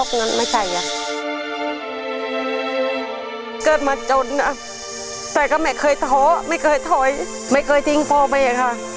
เกิดมาจนนะแต่ก็ไม่เคยท้อไม่เคยถอยไม่เคยทิ้งพ่อแม่ค่ะ